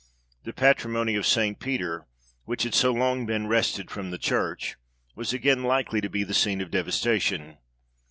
The patrimony of St. Peter, which had so long been wrested from the church, was again likely to be the scene of devastation.